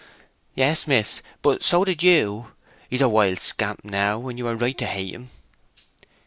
"Yes, miss, but so did you. He is a wild scamp now, and you are right to hate him."